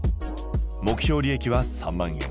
目標利益は３万円。